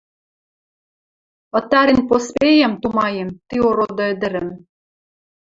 Ытарен поспеем, тумаем, ти ороды ӹдӹрӹм.